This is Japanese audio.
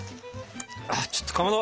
ちょっとかまど！